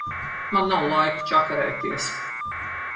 Man nav laika čakarēties.